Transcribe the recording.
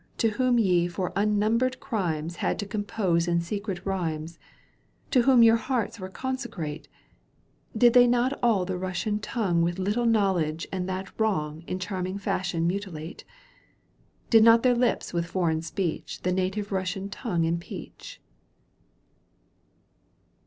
To whom ye for unnumbered crimes Had to compose in secret rhymes, ^^i^^^ To whom your hearts were consecrate, — Did they not all the Eussian tongue With little knowledge and that wrong In charming fashion mutilate ?— Did not their lips with foreign speech The native Eussian tongue impeach